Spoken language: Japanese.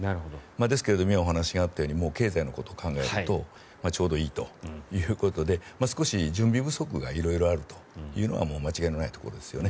ですけれど今お話があったように経済のことを考えるとちょうどいいということで少し準備不足が色々あるというのは間違いないところですよね。